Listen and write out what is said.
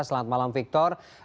selamat malam victor